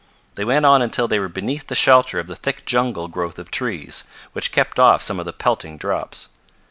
They went on until they were beneath the shelter of the thick jungle growth of trees, which kept off some of the pelting drops.